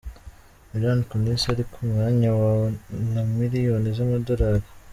Mila Kunis ari ku mwanya wa na miliyoni z’amadolari.